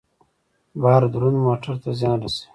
بار دروند موټر ته زیان رسوي.